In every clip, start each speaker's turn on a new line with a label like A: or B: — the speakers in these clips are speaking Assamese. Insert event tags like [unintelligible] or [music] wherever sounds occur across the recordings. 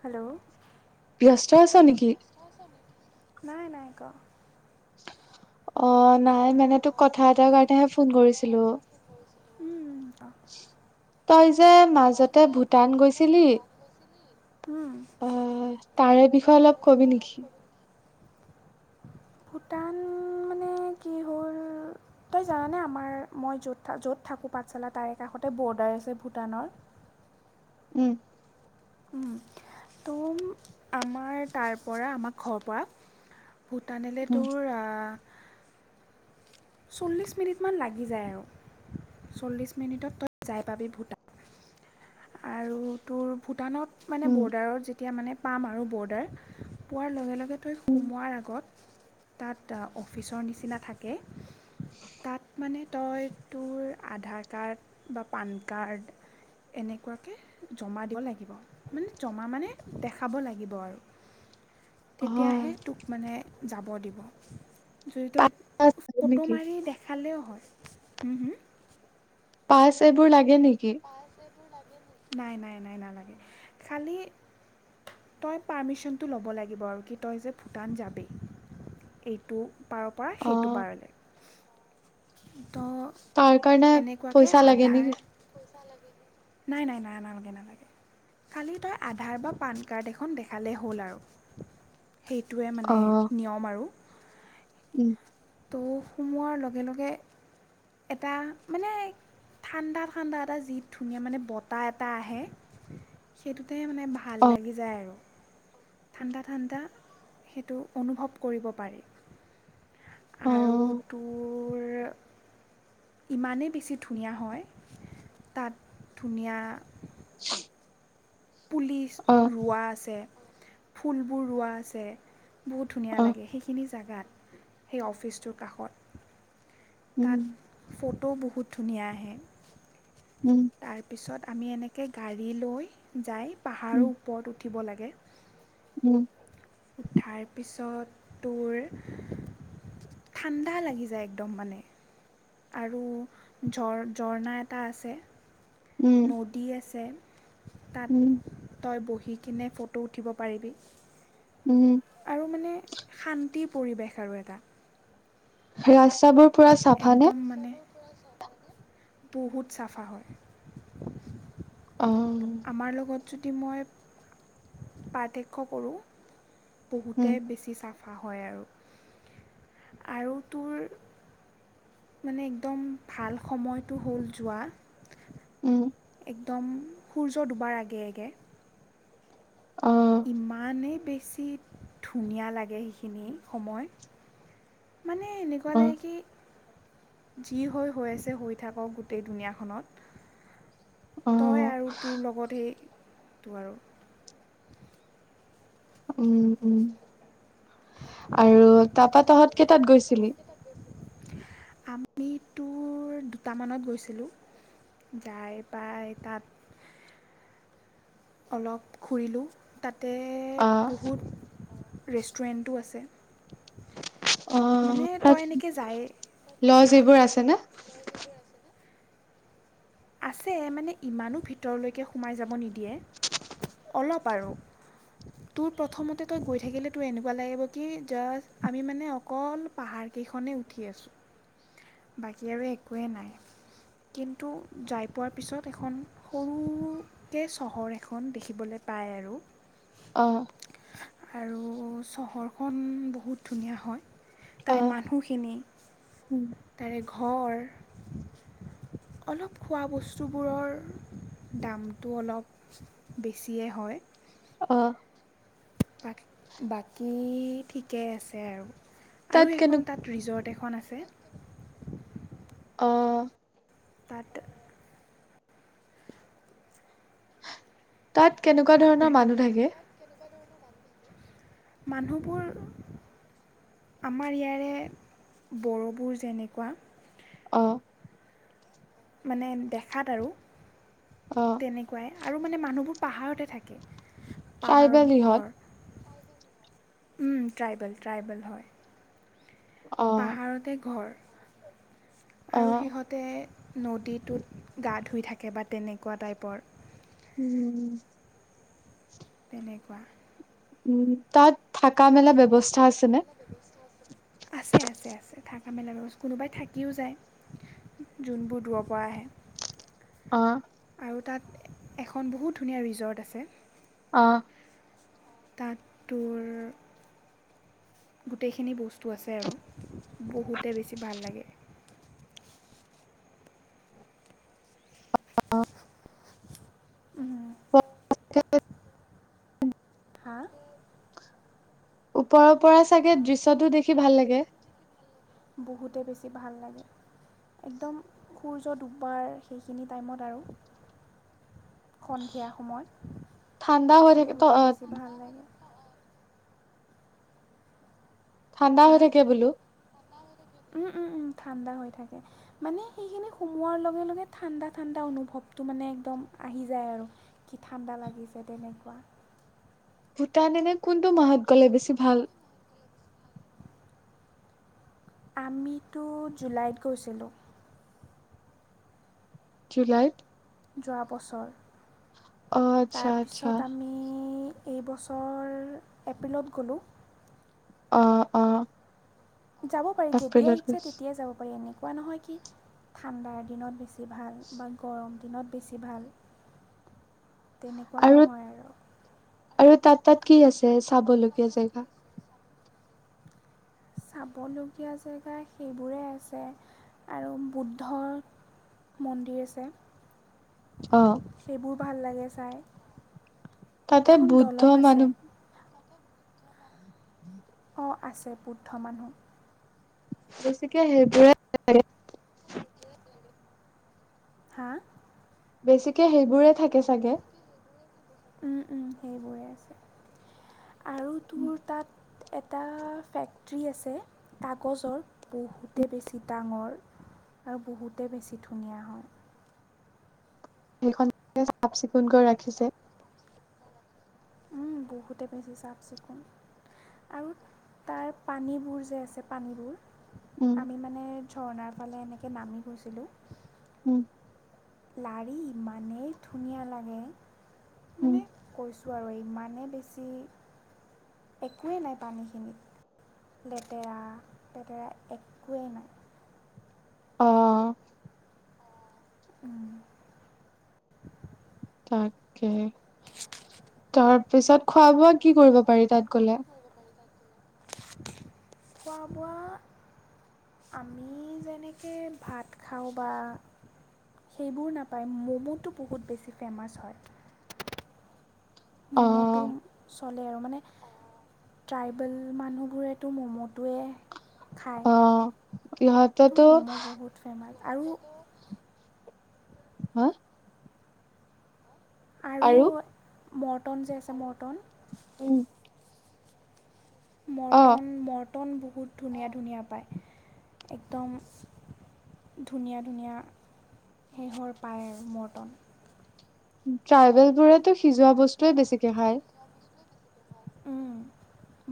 A: হেল্ল',
B: ব্যস্ত আছা নেকি?
A: নাই-নাই ক?
B: অ, নাই মানে তোক কথা এটা ক হে ফোন কৰিছিলোঁ। তই যে মাজতে ভূটান গৈছিলি।
A: কৰিছিলোঁ
B: অ', তাৰে বিষয়ে অলপ কবি নেকি?
A: ভূটান মানে কি হ'ল, তই জানানে আমাৰ মই য'ত য'ত থাকোঁ পাঠশালা তাৰে কাষতে বৰ্ডাৰ আছে ভূটানৰ।
B: উম।
A: উম, ত'ম, আমাৰ তাৰ পৰা আমাৰ ঘৰৰ পৰা। ভূতানেলে
B: উম,
A: তোৰ অ চল্লিছ মিনিটমান লাগি যায় আৰু, চল্লিছ মিনিটত তই যাই পাবি ভূটান। আৰু তোৰ ভূটানত মানে
B: উম,
A: বৰ্ডাৰত যেতিয়া মানে পাম আৰু বৰ্ডাৰ, পোৱাৰ লগে-লগে তই
B: উম,
A: সোমোৱাৰ আগত, তাত অফিচৰ নিচিনা থাকে। তাত মানে তই তোৰ আধাৰ কাৰ্ড বা পান কাৰ্ড এনেকুৱাকে জমা দিব লাগিব, মানে জমা মানে, দেখাব লাগিব আৰু।
B: অ'
A: তেতিয়াহে তোক মানে যাব দিব। যদি তই,
B: পাছ
A: ফটো
B: নেকি?
A: মাৰি দেখালেও [inaudible] উম, হম।
B: পাছ এইবোৰ লাগে নেকি?
A: [inaudible] নাই নাই নাই নালাগে। খালি, তই পাৰ্মিশচনটো ল'ব লাগিব আৰু কি তই যে ভূটান যাবি। এইটো পাৰ পৰা সেইটো
B: অ'
A: পাৰলৈ। তো
B: তাৰ কাৰণে,
A: এনেকুৱাকৈ
B: পইচা লাগে
A: আধাৰ
B: নেকি?
A: [inaudible] নাই নাই নাই না নালাগে নালাগে, খালি তই আধাৰ বা পান কাৰ্ড এখন দেখালেই হ'ল আৰু। সেইটোৱে মানে
B: অ'
A: নিয়ম আৰু।
B: উম।
A: তো সোমোৱাৰ লগে লগে এটা মানে, ঠাণ্ডা ঠাণ্ডা এটা যি ধুনীয়া মানে বতাহ এটা আহে। সেইটো তাতে মানে ভাল
B: অ',
A: লাগি যায় আৰু। ঠাণ্ডা ঠাণ্ডা, সেইটো অনুভৱ কৰিব পাৰি। আৰু
B: অ',
A: তোৰ, ইমানেই বেছি ধুনীয়া হয়, তাত ধুনীয়া
B: উম
A: পুলিচ ৰোৱা আছে। ফুলবোৰ ৰোৱা আছে। বহুত ধুনীয়া
B: অ',
A: লাগে সেইখিনি জাগাত। সেই অফিচটোৰ কাষত।
B: উম,
A: তাত ফ ফটো বহুত ধুনীয়া আহে।
B: উম,
A: তাৰপিছত আমি এনেকে তাকে গাড়ী লৈ যায় পাহাৰৰ
B: উম,
A: ওপৰত উঠিব লাগে।
B: উম
A: উঠাৰ পিছত তোৰ ঠাণ্ডা লাগি যায় একদম মানে। আৰু ঝ ঝৰ্ণা এটা আছে।
B: উম,
A: নদী আছে। তাত
B: উম,
A: তই বহি দি কিনে ফটো উঠিব পাৰিবি।
B: উম,
A: আৰু মানে শান্তিৰ পৰিৱেশ আৰু এটা।
B: ৰাস্তাবোৰ পুৰা চাফানে?
A: একদম মানে বহুত চাফা হয়।
B: অ',
A: আমাৰ লগত যদি মই পাৰ্থক্য কৰোঁ
B: উম,
A: বহুতে বেছি চাফ। অ হয় আৰু আৰু তোৰ মানে একদম ভাল সময়টো হ'ল যোৱা এক
B: উম,
A: একদম সূৰ্যৰ দুবাৰ আগে আগে।
B: অ
A: ইমানেই বেছি ধুনীয়া লাগে সেইখিনি সময়। মানে এনেকুৱা
B: অ
A: লাগে কি যি হৈ হৈ আছে হৈ থাকক গোটেই দুনীয়াখনত।
B: অ
A: তই আৰু তোৰ লগত সেই টো আৰু
B: উম উম আৰু তাৰাপা তহঁত কেইটাত গৈছিলি?
A: আমিতো দুটামানত গৈছিলোঁ যাই পাই তাত অলপ ঘূৰিলোঁ তাত। তে
B: অ
A: বহুত ৰেষ্টুৰেণ্টটো আছে।
B: অ
A: মানে
B: তাত
A: তই এনেকে যায়েই
B: ছেনে
A: আছে মানে ইমানো ভিতৰলৈকে সোমাই যাব নিদিয়ে অলপ আৰু তোৰ প্ৰথমতে তই গৈ থাকিলে তোৰ এনেকুৱা লাগিব কি জাষ্ট আমি মানে অকল পাহাৰকেইখনেই উঠি আছো বাকী আৰু একোৱেই নাই কিন্তু যাই পোৱাৰ পিছত এখন সৰুকৈ চহৰ এখন দেখিবলৈ পায় আৰু
B: আহ
A: আৰু চহৰখন বহুত ধুনীয়া হয়
B: অ
A: তাৰে মানুহখিনি তাৰে ঘৰ অলপ খোৱা বস্তুবোৰৰ দামটো অলপ বেছিয়ে হয়।
B: আহ
A: বাক বাকী ঠিকেই আছে আৰু
B: তাত
A: আৰু
B: কেনে
A: এখন তাত ৰিজৰ্ট এখন খন আছে
B: অ
A: তাত
B: তাত কেনেকুৱা ধৰণৰ মানুহ থাকে?
A: মানুহবোৰ আমাৰ ইয়াৰে বড়োবোৰ যেনেকুৱা
B: অ
A: মানে দেখাত আৰু
B: অ
A: তেনেকুৱাই আৰু মানে মানুহবোৰ পাহাৰতে থাকে
B: ট্ৰাইবেল
A: পাহাৰত
B: ইহঁত
A: ঘৰ উম ট্ৰাইবেল ট্ৰাইবেল হয়
B: অ
A: পাহাৰতে ঘৰ
B: অ
A: আৰু সিহঁতে নদীটোত গা ধুই থাকে বা তেনেকুৱা টাইপৰ
B: উম
A: তেনেকুৱা
B: উম তাত থকা মেলা ব্যৱস্থা আছে আছে নে
A: আছে আছে আছে থকা মেলা ব্যৱস্থা কোনোবাই থাকিওঁ যায় যোনবোৰ দূৰৰ পৰা আহে
B: অঁ
A: আৰু তাত এখন বহুত ধুনীয়া ৰিজৰ্ট আছে
B: অঁ
A: তাত তোৰ গোটেইখিনি বস্তু আছে আৰু বহুতে বেছি ভাল লাগে
B: অঁ
A: উম
B: [inaudible]
A: হাঁ
B: ওপৰৰ পৰা চাগে দৃশ্যটো দেখি ভাল লাগে
A: বহুতে বেছি ভাল লাগে একদম সূৰ্য দুববাৰ সেইখিনি টাইমত আৰু সন্ধিয়া সময়
B: ঠাণ্ডা হৈ থাকে
A: লাগে
B: ঠাণ্ডা হৈ থাকে বোলো।
A: উম উম ঠাণ্ডা হৈ থাকে মানে সেইখিনি সোমোৱাৰ লগে লগে ঠাণ্ডা ঠাণ্ডা অনুভৱটো মানে একদম আহি যায় আৰু কি ঠাণ্ডা লাগিছে তেনেকুৱা।
B: ভূটান এনে কোনটো মাহত গলে বেছি ভাল?
A: আমিতো জুলাইত গৈছিলোঁ।
B: জুলাই?
A: যোৱা বছৰ।
B: অ আচ্ছা আচ্ছা
A: তাৰপিছত আমি এই বছৰৰ এপ্ৰিলত গ'লোঁ।
B: অঁ অঁ।
A: যাব পাৰি যেতিয়াই ইচ্ছা তেতিয়াই যাব পাৰি এনাই। পোৱা নহয় কি ঠাণ্ডাৰ দিনত বেছি? ভাল, বা গৰম দিনত বেছি ভাল। তেনেকুৱা
B: আৰু
A: নহয় আৰু
B: আৰু তাত তাত কি আছে চাবলগীয়া জেগা?
A: চাবলগীয়া জেগা সেইবোৰে আছে। আৰু বুদ্ধ মন্দিৰ আছে,
B: অ
A: সেইবোৰ ভাল লাগে। চাই
B: তাতে
A: এখন
B: বুদ্ধ
A: দলং আছে
B: মানুহ [unintelligible]
A: অ আছে বুদ্ধ মানুহ।
B: বেছিকে হেইবৰে [unintelligible]
A: হা?
B: বেছিকে সেইবোৰে থাকে চাগে!
A: উম উম সেইবোৰে আছে। আৰু তোৰ তাত এটা ফেক্টৰী আছে কাগজৰ বহুতে বেছি ডাঙৰ আৰু বহুতে বেছি ধুনীয়া হয়।
B: সেইখন চাফ চিকুণকৈ ৰাখিছে?
A: উম বহুতে বেছি চাফ চিকুণ আৰু তাৰ পানীবোৰ যে আছে পানীবোৰ!
B: উম
A: আমি মানে ঝৰ্ণাৰ ফালে এনেকৈ নামি গৈছিলোঁ
B: উম
A: লাৰি ইমানেই ধুনীয়া লাগে।
B: উম
A: মানে কৈছোঁ আৰু ইমানেই বেছি একোৱেই নাই পানীখিনিত লেতেৰা পেতেৰা একোৱেই নাই।
B: অঁ।
A: উম।
B: তাকাহে তাৰ পিছত খোৱা বোৱা কি কৰিব পাৰি তাত গ'লে?
A: খোৱা বোৱা আমি যেনেকৈ ভাত খাওঁ বা সেইবোৰ নাপায় ম'মোটো বহুত বেছি ফেমাচ হয়।
B: অ
A: ম'ম'টো চলে আৰু মানে ট্ৰাইবেল মানুহবোৰেতো ম'ম'টোৱে খায়
B: অ
A: তো
B: ইহতেটো
A: ম'ম' বহুত ফেমাছ আৰু
B: হা
A: আৰু মৰ্টন যে আছে মৰ্টন
B: উম। অ
A: মটন ম মৰটন বহুত ধুনীয়া ধুনীয়া পায় একদম ধুনীয়া ধুনীয়া শেহৰ পায় আৰু মৰটন।
B: ট্ৰাইবেল বোৰেতো সিজোৱা বস্তুৱয়ে বেছিকে খায়।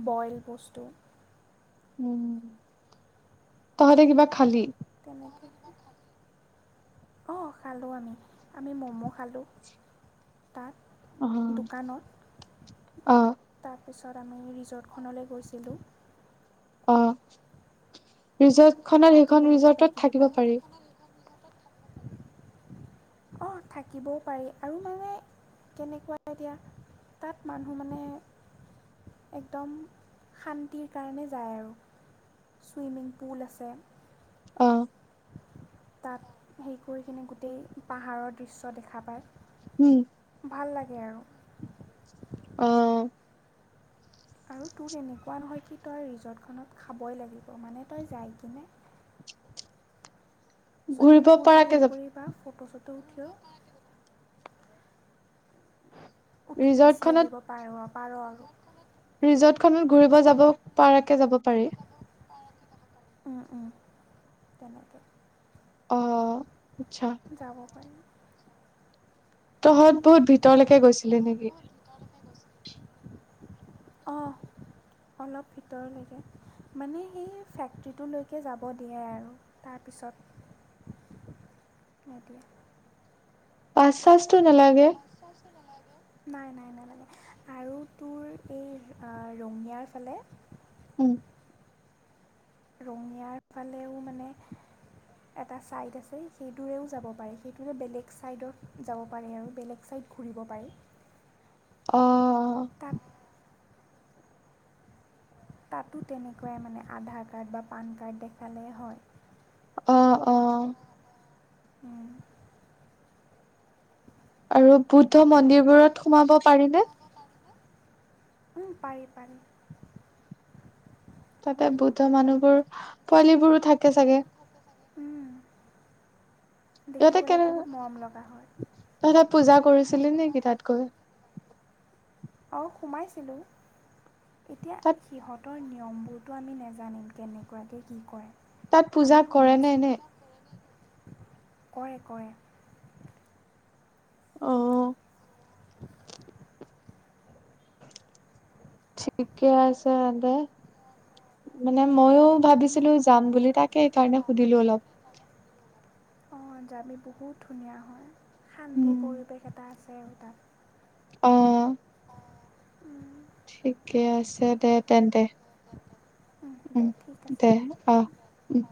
A: বইল বস্তু।
B: উ তহতে কিবা খালি?
A: তেনেক অঁ খালোঁ আমি আমি ম'ম' খালোঁ তাত
B: আহ
A: দোকানত
B: আহ
A: তাৰপিছত আমি ৰিজৰ্টখনলৈ গৈছিলোঁ
B: অ ৰিজট খত
A: তাতো
B: সেইখন
A: বহুত কিবা
B: ৰিজৰ্টত
A: কিবি
B: থাকিব
A: পায়
B: পাৰি
A: অঁ থাকিবও পাৰি আৰু মানে কেনেকুৱা এতিয়া তাত মানুহ মানে একদম শান্তিৰ কাৰণে যায় আৰু ছুইমিং পুল আছে
B: অ
A: তাত হেৰি কৰি কিনে গোটেই পাহাৰৰ দৃশ্য দেখা পায়
B: উম
A: ভাল লাগে আৰু
B: আহ
A: আৰু তোৰ এনেকুৱা নহয় কি তই ৰিজৰ্টখনত খাবই লাগিব মানে তই যাই কিনে চুইমিং
B: ঘূৰিব
A: পুলটোত
B: পৰাকে
A: হেৰি
B: যাব
A: কৰি ফটোচোট টকিঅ' উঠি
B: ৰিজৰ্ট
A: গুচি
B: খনত
A: আহিব পাৰোঁ আ বাৰৰ
B: ৰিজৰ্ট খত ঘূৰিব যাব পাৰকে যাব পাৰি
A: তেনেকে
B: অ আচ্ছা
A: যাব পাৰি
B: তহঁত বহুত ভিতৰলৈকে গৈছিলি নেকি
A: অঁ অলপ ভিতৰলৈকে মানে সেই ফেক্টৰীটোলৈকে যাব দিয়ে আৰু তাৰপিছত নিদিয়ে
B: পাঁচ টো নালাগে
A: নাই নাই নালাগে আৰু তোৰ এই ৰঙিয়াৰ ফালে।
B: উম।
A: ৰঙিয়াৰ ফালেও মানে এটা ছাইড আছে সেইটোৰেও যাব পাৰে সেইটোৰে বেলেগ ছাইডত যাব পাৰে আৰু বেলেগ চাইড ঘূৰিব পাৰে।
B: অ
A: তাতো তেনেকুৱাই মানে আধাৰ কাৰ্ড বা পান কাৰ্ড দেখালে হয়।
B: অ অ।
A: উম।
B: আৰু বুদ্ধ মন্দিৰবোৰত সোমাব পাৰিনে?
A: উম পাৰি পাৰি।
B: তাতে বুদ্ধ মানুহবোৰ পোৱালীবোৰো থাকে চাগে।
A: উম।
B: ইহঁতে কেনে, ইহঁতে পূজা কৰিছে। কৰিছিলি নিকি তাত গৈ?
A: অ সোমাইছিলোঁ। এতিয়া
B: তাত
A: সিহঁত তাহাঁতৰ নিয়মবোৰতো আমি নাজানিম কেনেকুৱাকে কি কৰে।
B: তাত পূজা
A: আমি
B: কৰেনে এনেই?
A: সোমাইছিলোঁ কৰে কৰে। [inaudible]
B: অহ।
A: [unintelligible]
B: [inaudible] ঠিকে আছে [inaudible] মানে ময়ো। ভাবিছিলো
A: ময়ো
B: যাম বুলি তাকে সেইকাৰণে সুধিলো অলপ।
A: অ যাবি বহুত ধুনীয়া হয়। শান্তি
B: উম
A: পৰিৱেশ এটা আছে আৰু।
B: অ।
A: [inaudible] উম।
B: ঠিকে আছে দে তেন্তে, উম
A: দে ঠিক আছে
B: দে আহ উম।